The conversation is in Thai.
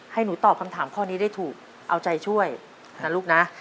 ให้หนูตอบคำถามข้อนี้ได้ถูกเอาใจช่วยนะลูกนะ